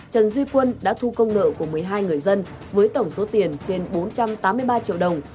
trần duy quân đã thu công nợ của một mươi hai người dân với tổng số tiền trên bốn trăm tám mươi ba triệu đồng